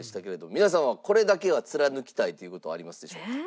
皆さんはこれだけは貫きたいという事はありますでしょうか？